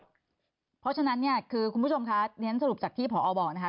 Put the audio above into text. เพราะฉะนั้นเนี่ยคือคุณผู้ชมคะเรียนสรุปจากที่ผอบอกนะคะ